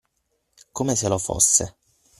Come se lo fosse.